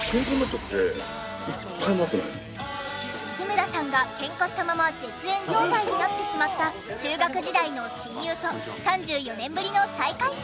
日村さんがケンカしたまま絶縁状態になってしまった中学時代の親友と３４年ぶりの再会。